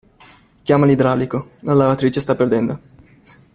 Chiama l'idraulico, la lavatrice sta perdendo.